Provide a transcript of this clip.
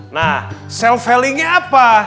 nah self healingnya apa